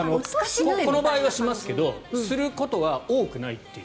この場合はしますけどすることは多くないという。